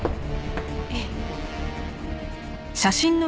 ええ。